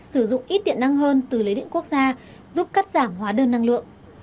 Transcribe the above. sử dụng ít điện năng hơn từ lưới điện quốc gia giúp cắt giảm hóa đơn năng lượng